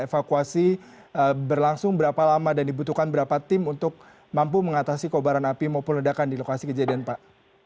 evakuasi berlangsung berapa lama dan dibutuhkan berapa tim untuk mampu mengatasi kobaran api maupun ledakan di lokasi kejadian pak